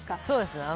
そうです。